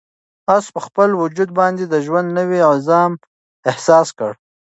آس په خپل وجود باندې د ژوند نوی عزم احساس کړ.